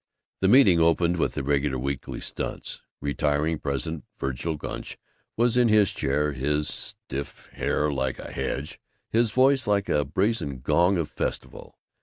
The meeting opened with the regular weekly "stunts." Retiring President Vergil Gunch was in the chair, his stiff hair like a hedge, his voice like a brazen gong of festival.